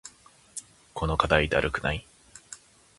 この課題だるくない？